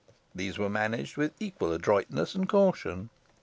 These were managed with equal adroitness and caution.